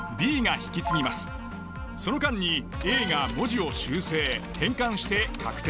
その間にＡが文字を修正・変換して確定。